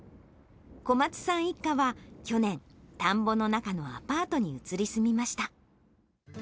小松さん一家は、去年、田んぼの中のアパートに移り住みました。